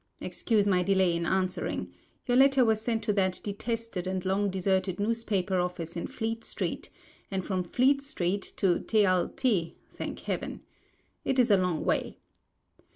Excuse my delay in answering. Your letter was sent to that detested and long deserted newspaper office in Fleet Street, and from Fleet Street to Te a Iti; thank Heaven! it is a long way.